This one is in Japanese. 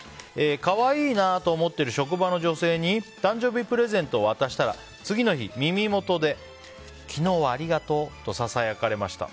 可愛いなと思っている職場の女性に誕生日プレゼントを渡したら次の日、耳元で昨日はありがとうとささやかれました。